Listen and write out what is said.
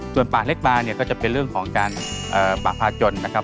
ส่วนบาปเล็กบาก็จะเป็นเรื่องของการบาปพาจนนะครับ